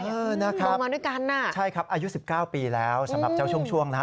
โดนมาด้วยกันน่ะใช่ครับอายุ๑๙ปีแล้วสำหรับเจ้าช่วงนะฮะ